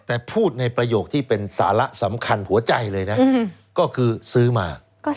แต่พูดในประโยคที่เป็นสาระสำคัญหัวใจเลยนะก็คือซื้อมา